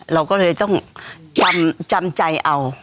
เราก็เลยต้องจำใจเอา